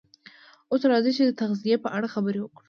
اوس راځئ چې د تغذیې په اړه خبرې وکړو